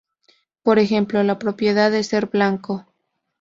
Por ejemplo, la propiedad de ser blanco.